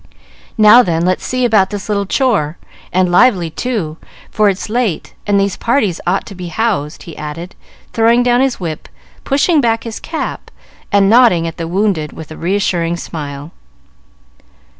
"Now then, let's see about this little chore, and lively, too, for it's late, and these parties ought to be housed," he added, throwing down his whip, pushing back his cap, and nodding at the wounded with a reassuring smile.